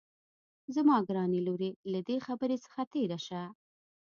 زما ګرانې لورې له دې خبرې څخه تېره شه